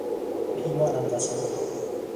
به ایمانم قسم